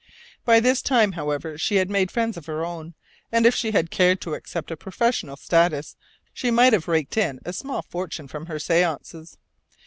By this time, however, she had made friends of her own, and if she had cared to accept a professional status she might have raked in a small fortune from her séances.